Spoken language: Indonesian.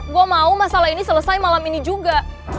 gue mau masalah ini selesai malam ini juga